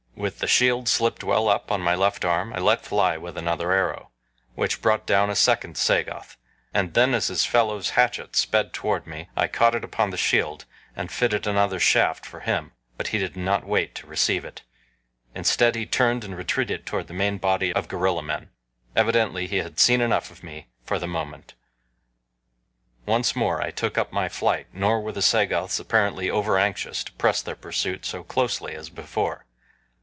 With the shield slipped well up on my left arm I let fly with another arrow, which brought down a second Sagoth, and then as his fellow's hatchet sped toward me I caught it upon the shield, and fitted another shaft for him; but he did not wait to receive it. Instead, he turned and retreated toward the main body of gorilla men. Evidently he had seen enough of me for the moment. Once more I took up my flight, nor were the Sagoths apparently overanxious to press their pursuit so closely as before.